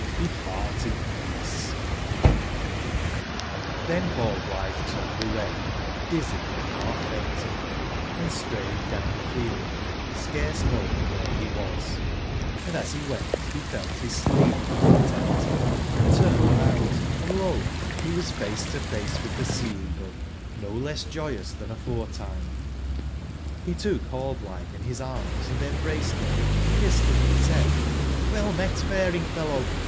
Depart in peace I '* HBJS Rallblitbe turned away dizzy and balf fainting, and strayed down tbe field, scarce knowing wbere be was; andas be wentbe felt bis sleeve plucked at, and turned about, and lot be was face to face witb tbe Sea/eagle, no less joyous tban aforetime. T)c took nallblitbe in bis arms and embraced bim and kissed bim, and said: "(Jlell met faring/fellow?